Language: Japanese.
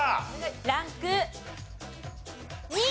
ランク２。